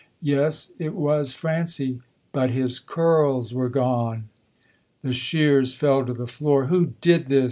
Yes, it was Francie, but his curls were gone! The shears fell to the floor. "Who did this?"